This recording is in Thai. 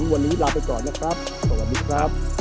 วันนี้ลาไปก่อนนะครับสวัสดีครับ